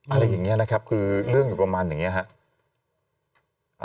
อะไรอย่างนี้นะครับคือเรื่องอยู่ประมาณอย่างนี้ครับ